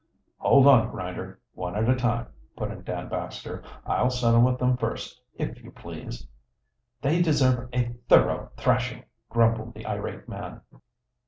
"Hold on Grinder! one at a time," put in Dan Baxter. "I'll settle with them first, if you please." "They deserve a thorough thrashing," grumbled the irate man.